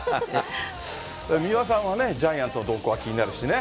三輪さんはね、ジャイアンツの動向が気になるしね。